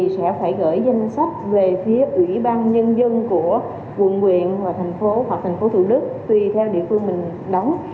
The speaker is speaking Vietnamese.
sẽ phải gửi danh sách về phía ubnd tp hcm tuy theo địa phương mình đóng